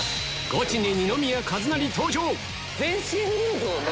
「ゴチ」に二宮和也登場！